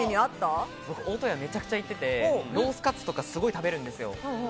僕を大戸屋めちゃくちゃ行ってて、ロースかつとかすごい食べるんですよ。